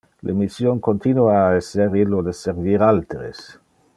Le mission continua a esser illo de servir alteres.